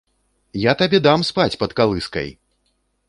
Я табе дам спаць пад калыскай!